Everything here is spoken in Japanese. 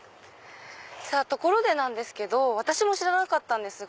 ところでなんですけど私も知らなかったんですが